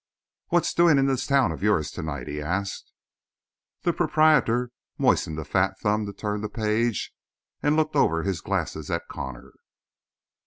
"What's doing in this town of yours to night?" he asked. The proprietor moistened a fat thumb to turn the page and looked over his glasses at Connor.